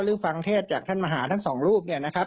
หรือฟังเทศจากท่านมหาทั้งสองรูป